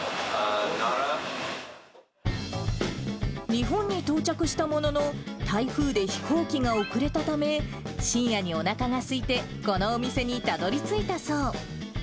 日本に到着したものの、台風で飛行機が遅れたため、深夜におなかがすいて、このお店にたどりついたそう。